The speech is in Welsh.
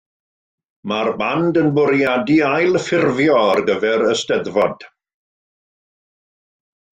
Mae'r band yn bwriadu ailffurfio ar gyfer y Steddfod.